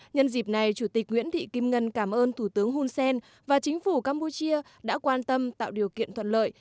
nhân dịp này chủ tịch nguyễn thị kim ngân cảm ơn thủ tướng hun sen và chính phủ campuchia đã quan tâm tạo điều kiện thuận lợi